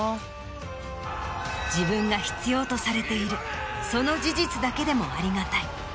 自分が必要とされているその事実だけでもありがたい。